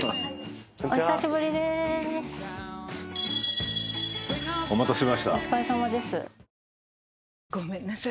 お久しぶりでーす。